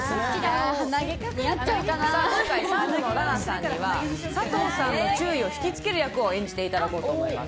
三女の裸奈さんには佐藤さんの注意を引きつける役を演じていただこうと思います。